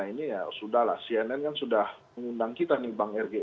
ini ya sudah lah cnn kan sudah mengundang kita nih bang rg